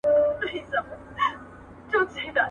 پام وړ جنتیکي اړیکه نه ده موندل سوې.